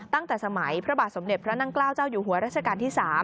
ตั้งแต่สมัยพระบาทสมเด็จพระนั่งเกล้าเจ้าอยู่หัวรัชกาลที่๓